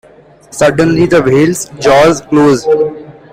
Suddenly the whale's jaws close.